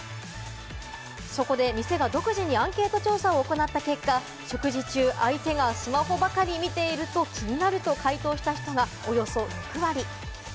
そこで店が独自にアンケート調査を行った結果、食事中、相手がスマホばかり見ていると気になると回答した人がおよそ６割。